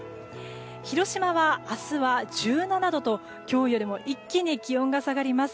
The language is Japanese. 広島は明日は１７度と今日よりも一気に気温が下がります。